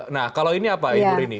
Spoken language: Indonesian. nah kalau ini apa ibu rini